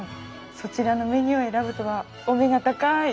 そちらのメニューを選ぶとはお目が高い。